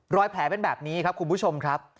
แผลเป็นแบบนี้ครับคุณผู้ชมครับ